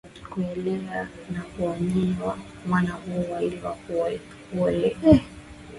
"Kuelea, ni kuoweyaweya mwana huu waiva kuoweyaweya."